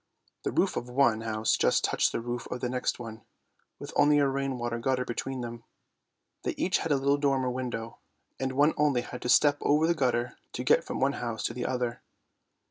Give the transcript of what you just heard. The roof of one house just touched the roof of the next one, with only a rain water gutter between them. They each had a little dormer window, and one 188 ANDERSEN'S FAIRY TALES only had to step over the gutter to get from one house to the other.